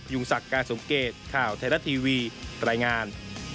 ยุงสักการสงเกตข่าวไทยรัตน์ทีวีแรงงาน